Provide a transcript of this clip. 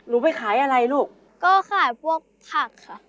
ไปขายอะไรลูกก็ขายพวกผักค่ะ